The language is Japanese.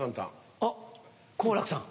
おっ好楽さん。